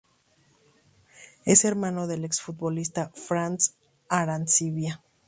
Es hermano del exfutbolista Franz Arancibia